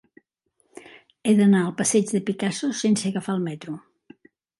He d'anar al passeig de Picasso sense agafar el metro.